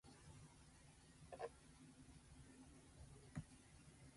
泣きっ面に蜂